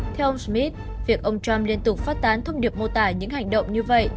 theo ông smith việc ông trump liên tục phát tán thông điệp mô tả những hành động như vậy